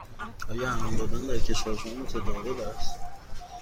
آیا انعام دادن در کشور شما متداول است؟